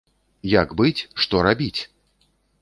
Як быць, што рабіць!